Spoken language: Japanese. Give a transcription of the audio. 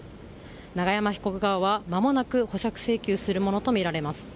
永山被告側はまもなく保釈請求するものとみられます。